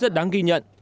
và rất đáng ghi nhận